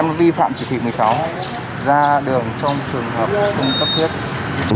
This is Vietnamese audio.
em vi phạm chỉ thị một mươi sáu ra đường trong trường hợp không cấp thiết